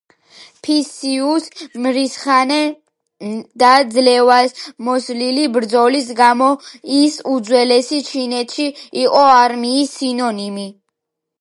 ფი-სიუს მრისხანე და ძლევამოსილი ბრძოლის გამო, ის უძველეს ჩინეთში იყო არმიის სინონიმი.